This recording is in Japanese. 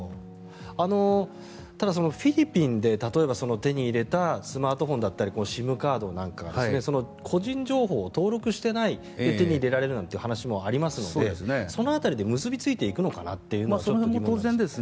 ただ、フィリピンで例えば手に入れたスマートフォンだったりＳＩＭカードなんかは個人情報を登録していないで手に入れられるという話もありますのでその辺りで結びついていくのかなというのも疑問ですが。